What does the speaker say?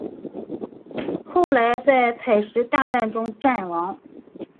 后在采石大战中战亡。